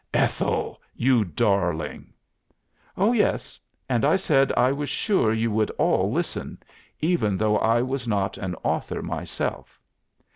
"Ethel! You darling!" "Oh, yes, and I said I was sure you would all listen, even though I was not an author myself.